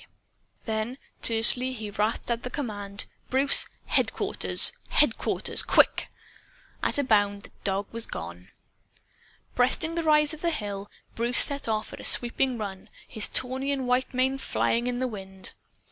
Then, tersely, he rasped out the command "Bruce! Headquarters! Headquarters! QUICK!" At a bound, the dog was gone. Breasting the rise of the hill, Bruce set off at a sweeping run, his tawny and white mane flying in the wind.